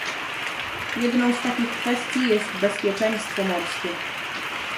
Jedną z takich kwestii jest bezpieczeństwo morskie